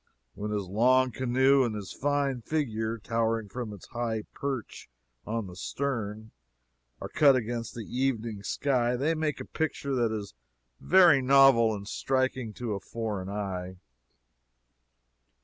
When his long canoe, and his fine figure, towering from its high perch on the stern, are cut against the evening sky, they make a picture that is very novel and striking to a foreign eye.